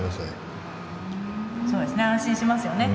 そうですね安心しますよね。